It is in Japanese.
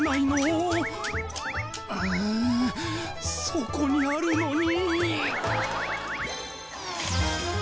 そこにあるのに！